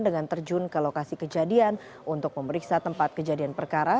dengan terjun ke lokasi kejadian untuk memeriksa tempat kejadian perkara